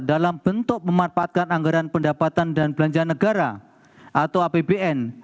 dalam bentuk memanfaatkan anggaran pendapatan dan belanja negara atau apbn